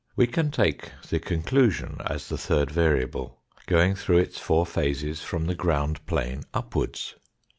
We can take the conclusion as the third variable, going through its four phases from the ground plane upwards.